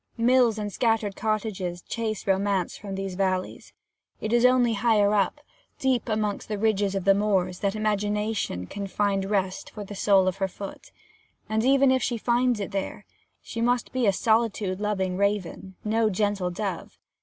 Mills and scattered cottages chase romance from these valleys; it is only higher up, deep in amongst the ridges of the moors, that Imagination can find rest for the sole of her foot: and even if she finds it there, she must be a solitude loving raven no gentle dove.